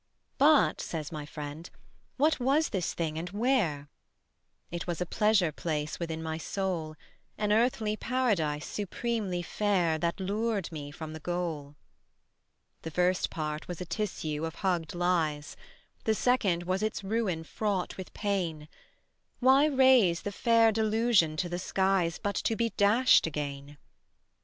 "But," says my friend, "what was this thing and where?" It was a pleasure place within my soul; An earthly paradise supremely fair That lured me from the goal. The first part was a tissue of hugged lies; The second was its ruin fraught with pain: Why raise the fair delusion to the skies But to be dashed again?